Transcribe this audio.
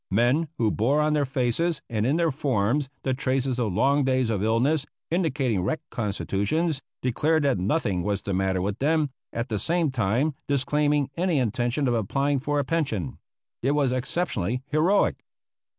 Men who bore on their faces and in their forms the traces of long days of illness, indicating wrecked constitutions, declared that nothing was the matter with them, at the same time disclaiming any intention of applying for a pension. It was exceptionally heroic."